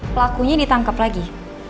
pelakunya ditangkep lagi